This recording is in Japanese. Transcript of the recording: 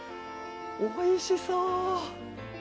おいしそう！